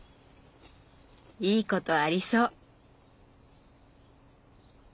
いいことありそう。